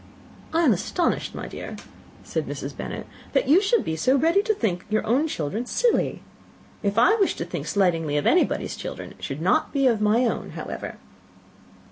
"I am astonished, my dear," said Mrs. Bennet, "that you should be so ready to think your own children silly. If I wished to think slightingly of anybody's children, it should not be of my own, however."